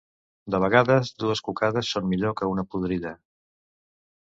De vegades, dues cucades són millors que una podrida.